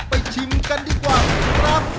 ชิมกันดีกว่าครับ